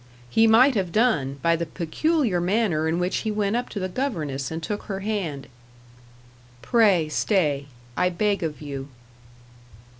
He might have done, by the peculiar manner in which he went up to the governess and took her hand. "Pray stay; I beg of you."